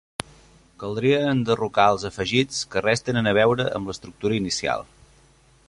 Caldria enderrocar els afegits que res tenen a veure amb l'estructura inicial.